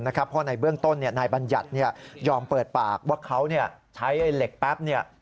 เพราะในเบื้องต้นนายบัญญัติยอมเปิดปากว่าเขาใช้เหล็กแป๊บ